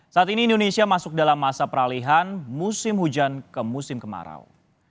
saat ini indonesia masuk dalam masa peralihan musim hujan ke musim kemarau